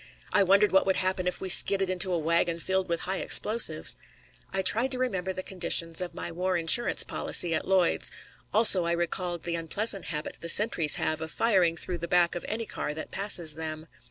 I wondered what would happen if we skidded into a wagon filled with high explosives. I tried to remember the conditions of my war insurance policy at Lloyd's. Also I recalled the unpleasant habit the sentries have of firing through the back of any car that passes them.